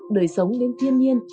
đời sống đến thiên nhiên